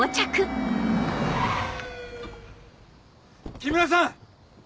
木村さん！